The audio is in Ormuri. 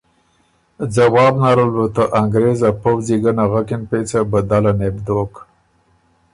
ځواب نرل بُو ته انګرېز ا پؤځی ګه نغکِن پېڅه بدله نې بو دوک